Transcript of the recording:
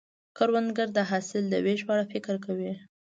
کروندګر د حاصل د ویش په اړه فکر کوي